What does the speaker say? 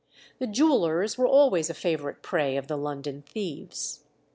The jewellers were always a favourite prey of the London thieves.